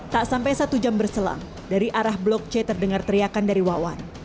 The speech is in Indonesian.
tak sampai satu jam berselang dari arah blok c terdengar teriakan dari wawan